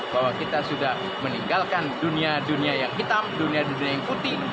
bahwa kita sudah meninggalkan dunia dunia yang hitam dunia dunia yang putih